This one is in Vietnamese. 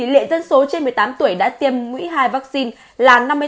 lệ dân số trên một mươi tám tuổi đã tiêm mũi hai vaccine là năm mươi tám bảy mươi chín